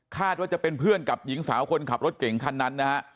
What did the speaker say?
ว่าจะเป็นเพื่อนกับหญิงสาวคนขับรถเก่งคันนั้นนะฮะ